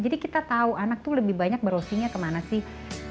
jadi kita tau anak tuh lebih banyak browsingnya kemana sih